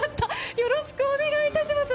よろしくお願いします。